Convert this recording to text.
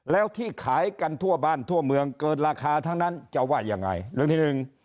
แล้วที่ขายกันทั่วบ้านทั่วเมืองเกินราคาทั้งนั้นจะว่ายังไง